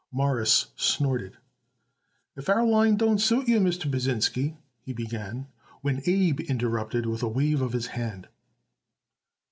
Morris snorted. "If our line don't suit you, Mr. Pasinsky," he began, when Abe interrupted with a wave of his hand.